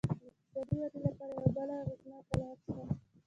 د اقتصادي ودې لپاره یوه بله اغېزناکه لار شته.